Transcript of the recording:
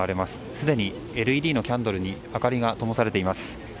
すでにＬＥＤのキャンドルに明かりがともされています。